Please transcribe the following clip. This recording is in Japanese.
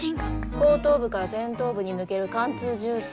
後頭部から前頭部に抜ける貫通銃創。